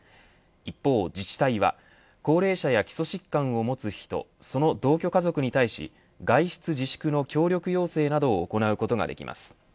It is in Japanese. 一方、自治体は高齢者や基礎疾患を持つ人その同居家族に対して外出自粛の協力要請などを行うことができます。